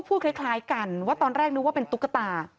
พูดคล้ายกันว่าตอนแรกนึกว่าเป็นตุ๊กตา